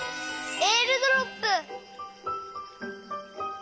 えーるドロップ！